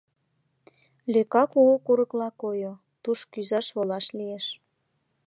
Лӧка кугу курыкла койо, туш кӱзаш-волаш лиеш.